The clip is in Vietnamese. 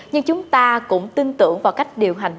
nhưng chúng ta cũng tin tưởng vào cách điều hành